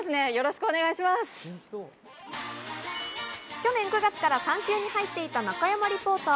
去年９月から産休に入っていた中山リポーター。